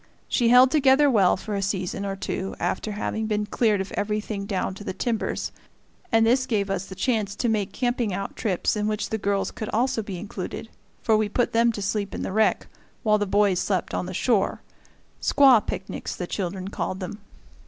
She held together well for a season or two after having been cleared of everything down to the timbers, and this gave us the chance to make camping out trips in which the girls could also be included, for we put them to sleep in the wreck, while the boys slept on the shore; squaw picnics, the children called them.